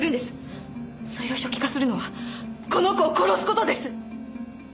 それを初期化するのはこの子を殺す事です！